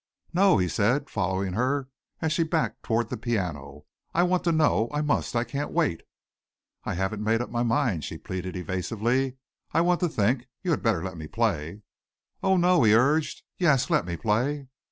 "No," he said, following her as she backed toward the piano. "I want to know. I must. I can't wait." "I haven't made up my mind," she pleaded evasively. "I want to think. You had better let me play." "Oh, no," he urged. "Yes, let me play."